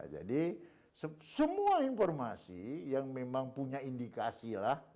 jadi semua informasi yang memang punya indikasi